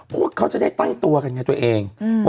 พวกเขาจะได้ตั้งตัวกันไงตัวเอง